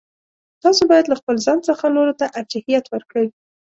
تاسو باید له خپل ځان څخه نورو ته ارجحیت ورکړئ.